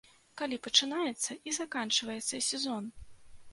Калі пачынаецца і заканчваецца сезон?